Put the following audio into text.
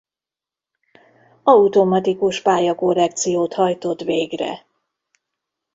Automatikus pályakorrekciót hajtott végre.